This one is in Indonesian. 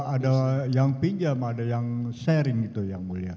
ada yang pinjam ada yang sharing gitu yang mulia